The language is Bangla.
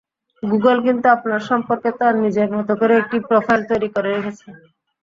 গুগল কিন্তু আপনার সম্পর্কে তার নিজের মতো করে একটি প্রোফাইল তৈরি করে রেখেছে।